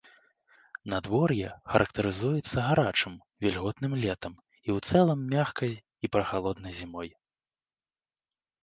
Надвор'е характарызуецца гарачым, вільготным летам і ў цэлым мяккай і прахалоднай зімой.